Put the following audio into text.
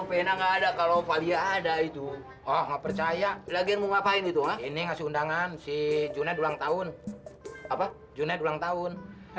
pena nggak ada kalau valia ada itu oh nggak percaya lagi ngapain itu ini ngasih undangan